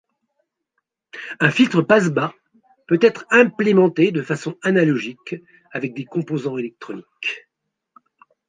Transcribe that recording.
Un filtre passe-bas peut être implémenté de façon analogique avec des composants électroniques.